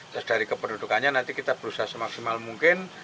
terus dari kependudukannya nanti kita berusaha semaksimal mungkin